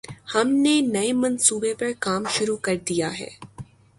ہم نے نئے منصوبے پر کام شروع کر دیا ہے۔